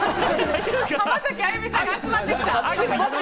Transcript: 浜崎あゆみさんが集まってきた。